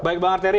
baik bang arteri